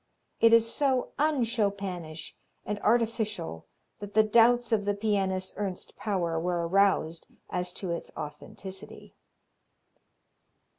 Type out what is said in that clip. It is so un Chopinish and artificial that the doubts of the pianist Ernst Pauer were aroused as to its authenticity.